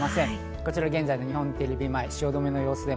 こちら現在の日本テレビ前、汐留の様子。